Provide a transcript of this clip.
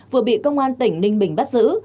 vừa bị công an tỉnh ninh bình bắt giữ